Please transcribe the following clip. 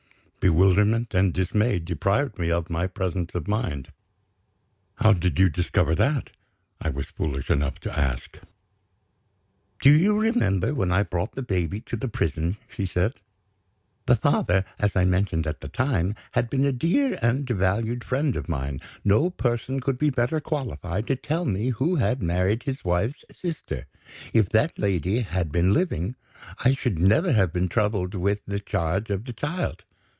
Bewilderment and dismay deprived me of my presence of mind. "How did you discover that?" I was foolish enough to ask. "Do you remember when I brought the baby to the prison?" she said. "The father as I mentioned at the time had been a dear and valued friend of mine. No person could be better qualified to tell me who had married his wife's sister. If that lady had been living, I should never have been troubled with the charge of the child.